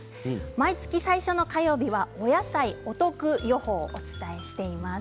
毎月、最初の火曜日はお野菜お得予報をお伝えしています。